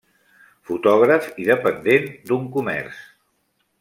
Fotògraf i dependent d'un comerç.